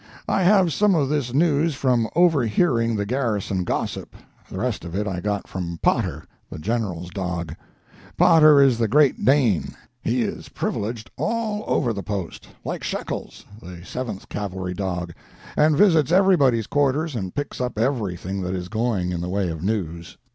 I have some of this news from over hearing the garrison gossip, the rest of it I got from Potter, the General's dog. Potter is the great Dane. He is privileged, all over the post, like Shekels, the Seventh Cavalry's dog, and visits everybody's quarters and picks up everything that is going, in the way of news.